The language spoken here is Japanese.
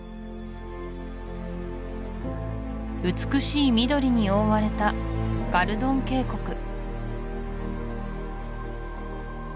美しい緑に覆われたガルドン渓谷